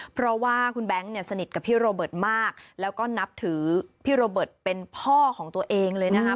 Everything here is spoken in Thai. เพราะว่าคุณแบงค์เนี่ยสนิทกับพี่โรเบิร์ตมากแล้วก็นับถือพี่โรเบิร์ตเป็นพ่อของตัวเองเลยนะคะ